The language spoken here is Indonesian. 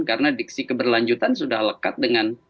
karena diksi keberlanjutan sudah lekat dengan